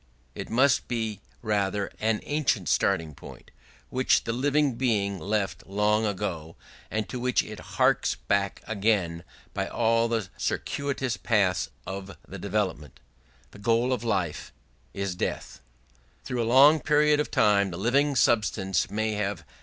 It must be rather an ancient starting point, which the living being left long ago, and to which it harks back again by all the circuitous paths of development.... The goal of all life is death.... "Through a long period of time the living substance may have